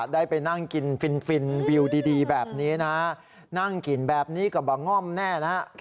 ได้ไปนั่งกินฟินวิวดีแบบนี้นะฮะนั่งกินแบบนี้ก็มาง่อมแน่นะฮะ